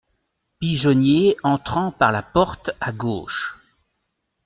Pigeonnier entrant par la porte à gauche.